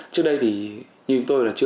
trước đây thì như tôi là chưa